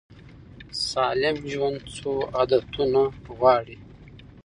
سالم ژوند څو عادتونه غواړي.